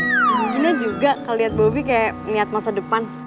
gina juga kalau ngeliat bobi kayak ngeliat masa depan